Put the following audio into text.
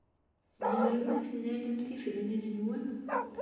Tzemrem ad tennalem tifednin-nwen?